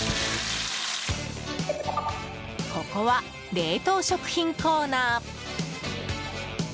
ここは冷凍食品コーナー。